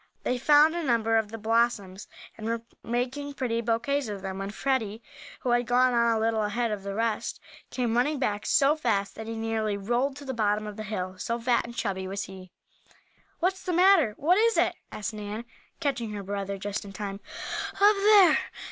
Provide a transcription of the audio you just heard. They found a number of the blossoms, and were making pretty bouquets of them, when Freddie, who had gone on a little ahead of the rest, came running back so fast that he nearly rolled to the bottom of the hill, so fat and chubby was he. "What's the matter? What is it?" asked Nan, catching her brother just in time. "Up there!"